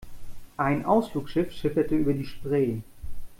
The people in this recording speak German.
Ein Ausflugsschiff schipperte über die Spree.